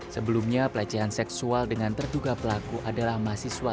sebelumnya pelecehan seksual dengan terduga pelaku adalah mahasiswa